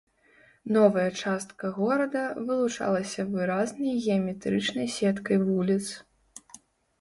Новая частка горада вылучалася выразнай геаметрычнай сеткай вуліц.